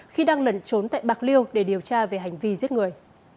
khi đang lẩn trốn tại bạc liêu để điều tra về hành vi giết người